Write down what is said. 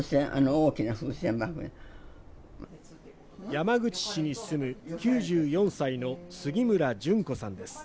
山口市に住む９４歳の杉村純子さんです。